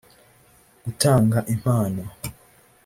gutanga impano